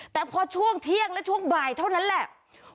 แต่พอช่วงเที่ยงและช่วงบ่ายเท่านั้นแหละ